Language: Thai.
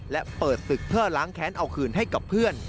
และเปิดตึกเพื่อล้างแค้นเอาคืนให้กับเพื่อน